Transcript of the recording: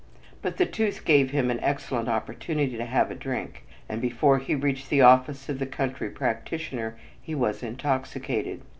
But the tooth gave him an excellent opportunity to have a drink, and before he reached the office of the country practitioner he was intoxicated.